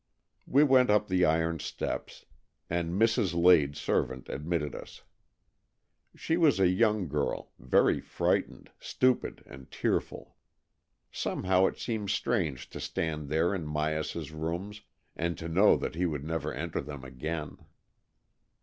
We went up the iron steps, and Mrs. Lade's servant admitted us. She was a young girl — very frightened, stupid, and tearful. Somehow it seemed strange to stand there in Myas's rooms, and to know that he would never enter them again.